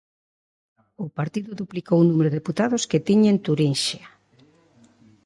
O partido duplicou o número de deputados que tiña en Turinxia.